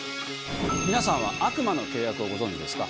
皆さんは悪魔の契約をご存じですか？